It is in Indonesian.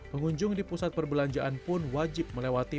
pengunjung di pusat perbelanjaan pun wajib melewati